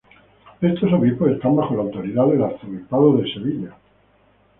Estos obispos están bajo la autoridad del arzobispo de Sevilla.